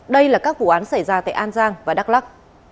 đây là các vụ án xảy ra tại an giang và đắk lắc